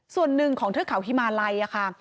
ส่วนหนึ่งของเทอร์เขาฮิมาไลน์